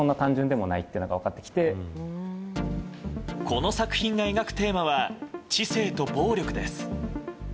この作品が描くテーマは知性と暴力です。